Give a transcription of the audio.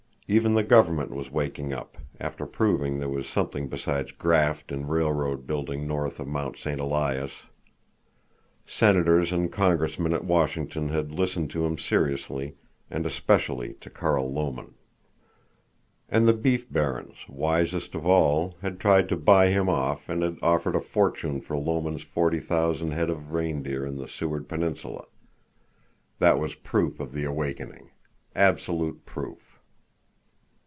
Even the Government was waking up, after proving there was something besides graft in railroad building north of Mount St. Elias. Senators and Congressmen at Washington had listened to him seriously, and especially to Carl Lomen. And the beef barons, wisest of all, had tried to buy him off and had offered a fortune for Lomen's forty thousand head of reindeer in the Seward Peninsula! That was proof of the awakening. Absolute proof.